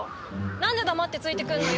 何で黙ってついて来んのよ。